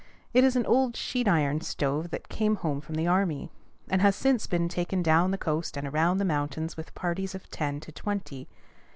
It is an old sheet iron stove that came home from the army, and has since been taken down the coast and around the mountains with parties of ten to twenty.